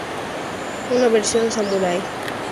Una Versión Samurái del Engine-Oh.